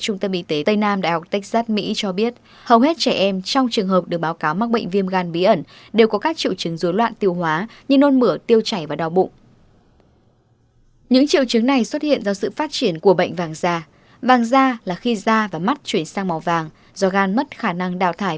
cho tới nay đã có hơn ba giả thuyết về viêm gan bí ẩn được các nhà khoa học đưa ra tuy nhiên vẫn chưa tìm được nguyên nhân chính thức về căn bệnh này